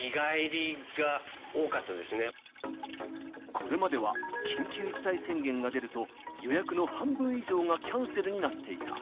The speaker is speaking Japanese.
これまでは、緊急事態宣言が出ると、予約の半分以上がキャンセルになっていた。